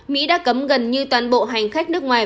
mỹ đã cấm gần như toàn bộ hành khách nước ngoài